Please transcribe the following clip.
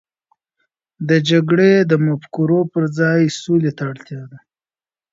د جګړې د مفکورو پر ځای، سولې ته اړتیا ده.